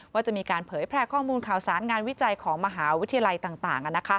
ว่าจะมีการเผยแพร่ข้อมูลข่าวสารงานวิจัยของมหาวิทยาลัยต่าง